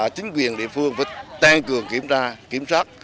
chính quyền địa phương phải tăng cường kiểm tra